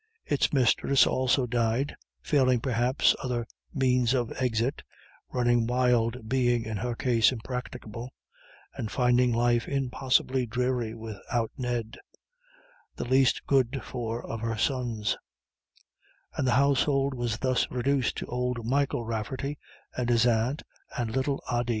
Its mistress also died, failing, perhaps, other means of exit running wild being in her case impracticable and finding life impossibly dreary without Ned, the least good for of her sons; and the household was thus reduced to old Michael Rafferty, and his aunt, and little Ody.